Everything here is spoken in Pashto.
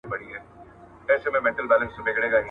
په مکتبونو کي د زور مطالعه پاتې سوې ده.